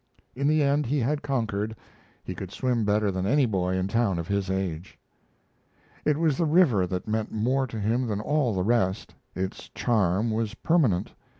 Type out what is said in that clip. In the end he had conquered; he could swim better than any boy in town of his age. It was the river that meant more to him than all the rest. Its charm was permanent.